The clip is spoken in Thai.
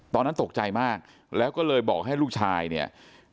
ตอนนั้นตกใจมากแล้วก็เลยบอกให้ลูกชายเนี่ย